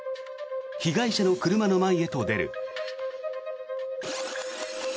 被害者の車の前へと出る。